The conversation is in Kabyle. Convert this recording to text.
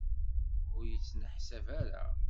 Ur yettneḥsab ara.